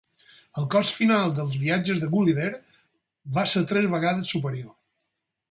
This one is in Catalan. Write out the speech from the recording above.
El cost final dels viatges de Gulliver va ser tres vegades superior.